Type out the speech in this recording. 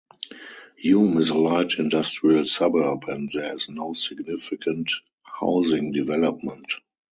Hume is a light-industrial suburb and there is no significant housing development.